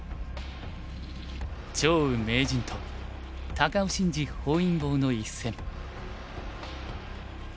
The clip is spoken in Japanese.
張栩名人と高尾紳路本因坊の一戦。